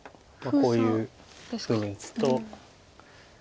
こういうふうに打つと。